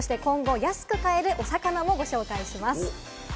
そして今後、安く買える魚もご紹介します。